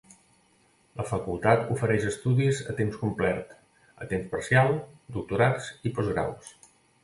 La Facultat ofereix estudis a temps complert, a temps parcial, doctorats i postgraus.